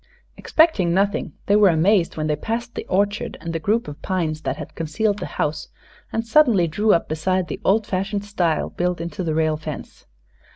Expecting nothing, they were amazed when they passed the orchard and the group of pines that had concealed the house and suddenly drew up beside the old fashioned stile built into the rail fence.